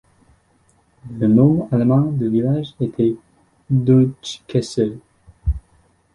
Le nom allemand du village était Deutsch Kessel.